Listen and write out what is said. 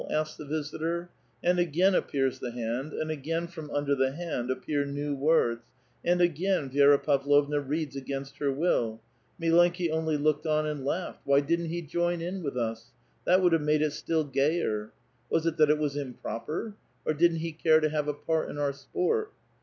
asks the visitor, and again appears the hand, and again from under the hand appear new woixls, and a<rain Vi^ra Pavlovua reads against her will :—" MUenki only looked on and laughed. Why didn't he join in with us ? That would have made it still gayer. Was it that it was improper, or didn't he care to take a part in our sport?